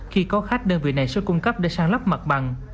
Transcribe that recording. khi có khách đơn vị này sẽ cung cấp để sáng lắp mặt bằng